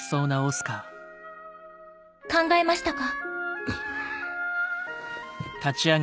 考えましたか？